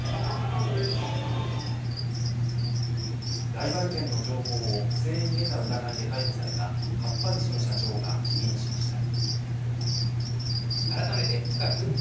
ライバル店の情報を不正に得た疑いで逮捕されたかっぱ寿司の社長が辞任しました。